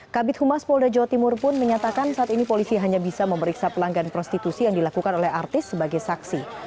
kabit humas polda jawa timur pun menyatakan saat ini polisi hanya bisa memeriksa pelanggan prostitusi yang dilakukan oleh artis sebagai saksi